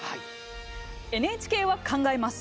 ＮＨＫは考えます。